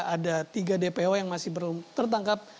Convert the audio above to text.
ada tiga dpw yang masih belum tertangkap